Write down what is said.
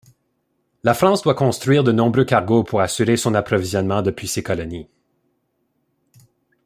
La France doit construire de nombreux cargos pour assurer son approvisionnement depuis ses colonies.